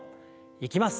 いきます。